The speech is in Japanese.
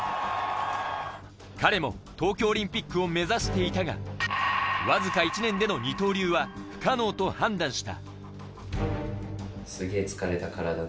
彼も東京オリンピックを目指していたがわずか１年での二刀流は不可能と判断した。